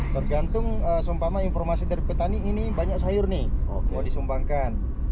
tergantung seumpama informasi dari petani ini banyak sayur nih mau disumbangkan